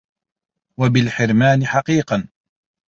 وَبِالْحِرْمَانِ حَقِيقًا